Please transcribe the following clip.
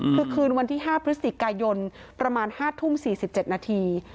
คือคืนวันที่๕พฤศจิกายนประมาณ๕ทุ่ม๔๗นาที